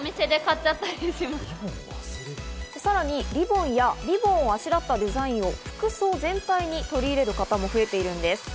さらにリボンをあしらったデザインを服装全体に取り入れる方も全体的に増えているんです、